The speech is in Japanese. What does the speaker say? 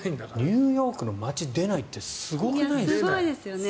ニューヨークの街出ないってすごくないですか？